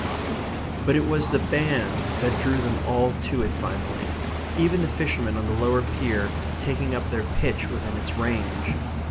But it was the band that drew them all to it finally; even the fishermen on the lower pier taking up their pitch within its range.